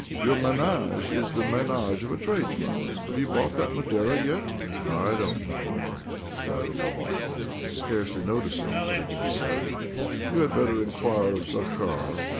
Your menage is the menage of a tradesman. Have you bought that Madeira yet ?"" I don't know," replied Oblomov, scarcely noticing what had bteen said. " You had better inquire of Zakhar.